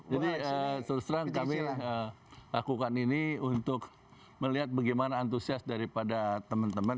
jadi selesai kami lakukan ini untuk melihat bagaimana antusias daripada teman teman